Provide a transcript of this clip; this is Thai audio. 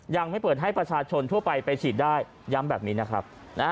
ยังไม่เปิดให้ประชาชนทั่วไปไปฉีดได้ย้ำแบบนี้นะครับ